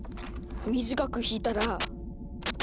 短く弾いたら。